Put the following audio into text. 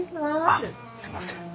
あっすいません。